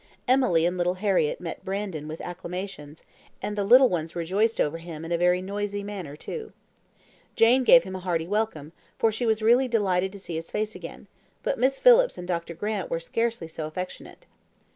Emily and little Harriett met Brandon with acclamations, and the little ones rejoiced over him in a very noisy manner, too. Jane gave him a hearty welcome, for she was really delighted to see his face again, but Miss Phillips and Dr. Grant were scarcely so affectionate.